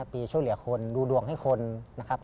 ปีช่วยเหลือคนดูดวงให้คนนะครับ